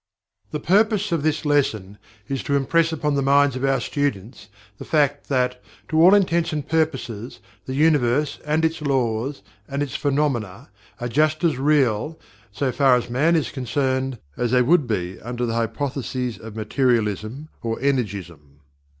The purpose of this lesson is to impress upon the minds of our students the fact that, to all intents and purposes, the Universe and its laws, and its phenomena, are just as REAL, so far as Man is concerned, as they would be under the hypotheses of Materialism or Energism.